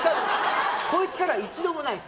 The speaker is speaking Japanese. こいつからは一度もないです。